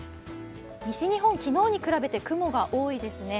西日本、昨日に比べて、雲が多いですね。